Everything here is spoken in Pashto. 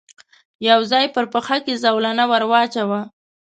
يو ځای پر پښه کې زولنه ور واچاوه.